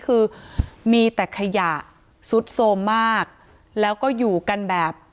คือมีแต่ขยะซุดโทรมมากแล้วก็อยู่กันแบบ